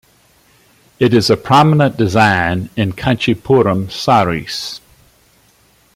It is a prominent design in Kanchipuram saris.